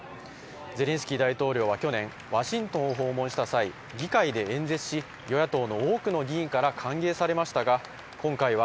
ゼレンスキー大統領は去年、ワシントンを訪問した際議会で演説し与野党の多くの議員から歓迎されましたが、今回は